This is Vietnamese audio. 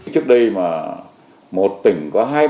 trước đây mà một tỉnh có hai ba ca